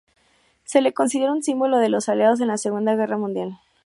Se la considera un símbolo de los Aliados en la Segunda Guerra Mundial.